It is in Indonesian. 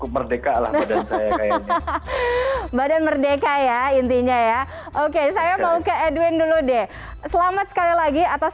kemerdeka lah badan merdeka ya intinya ya oke saya mau ke edwin dulu deh selamat sekali lagi atas